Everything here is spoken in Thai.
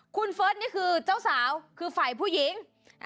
คุณเฟิร์สนี่คือเจ้าสาวคือฝ่ายผู้หญิง